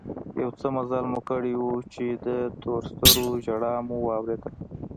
يو څه مزل مو کړى و چې د تور سرو ژړا مو واورېدل.